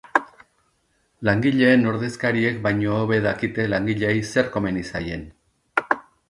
Langileen ordezkariek baino hobe dakite langileei zer komeni zaien.